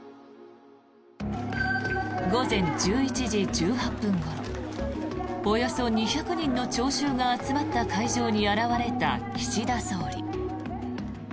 午前１１時１８分ごろおよそ２００人の聴衆が集まった会場に現れた岸田総理。